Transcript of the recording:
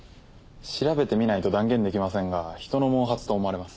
調べてみないと断言できませんが人の毛髪と思われます。